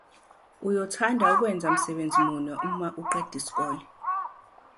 Uyothanda ukwenza msebenzi muni uma uqeda isikole?